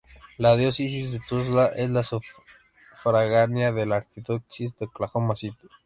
La Diócesis de Tulsa es sufragánea de la Arquidiócesis de Oklahoma City.